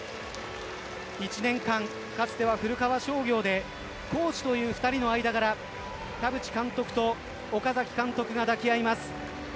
１年間、かつては古川商業でコーチという２人の間柄田渕監督と岡崎監督が抱き合います。